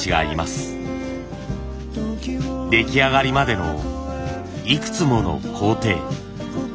出来上がりまでのいくつもの工程。